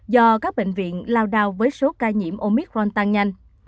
do các bệnh viện lao đao với số ca nhiễm omicron tăng nhanh